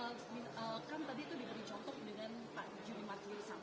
kan tadi itu diberi contoh dengan pak juri marjulisang dari pdi